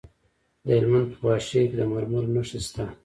د هلمند په واشیر کې د مرمرو نښې شته.